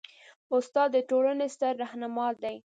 استاد د ټولنې ستر رهنما دی.